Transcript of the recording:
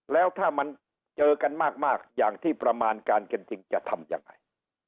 แล้วถ้ามันเจอกันมากอย่างที่ประมาณการกันจริงจะทำยังไง